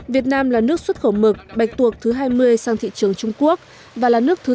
việt nam là nước xuất khẩu mực bạch tuộc thứ hai mươi sang thị trường trung quốc và là nước thứ ba